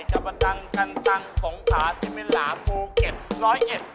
กับอดังกันตังสงภาษิเมลาภูเก็ตร้อยเอ็ด